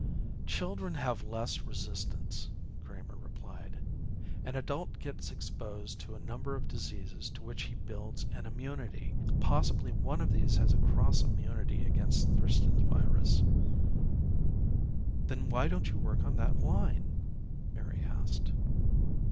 "Children have less resistance," Kramer replied. "An adult gets exposed to a number of diseases to which he builds an immunity. Possibly one of these has a cross immunity against Thurston's virus." "Then why don't you work on that line?" Mary asked.